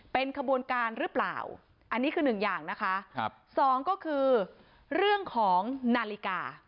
เป็นขบวนการหรือเปล่าอันนี้คือหนึ่งอย่างนะคะครับสองก็คือเรื่องของนาฬิกา